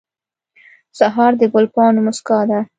سهار د ګل پاڼو موسکا ده.